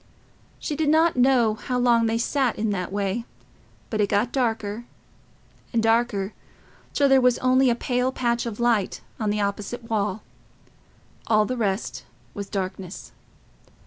She did not know how long they sat in that way, but it got darker and darker, till there was only a pale patch of light on the opposite wall: all the rest was darkness.